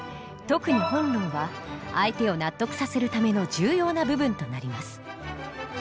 特に本論は相手を納得させるための重要な部分となります。